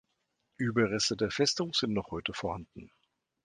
Überreste der Festung sind noch heute vorhanden.